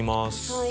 はい。